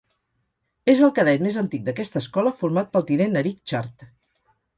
És el cadet més antic d'aquesta escola format pel tinent Eric Chart.